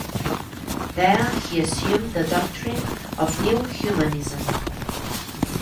There he assumed the doctrine of New Humanism.